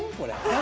何？